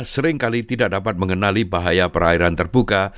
seringkali tidak dapat mengenali bahaya perairan terbuka